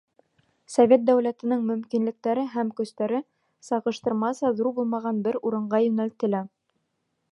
Совет дәүләтенең мөмкинлектәре һәм көстәре сағыштырмаса ҙур булмаған бер урынға йүнәлтелә.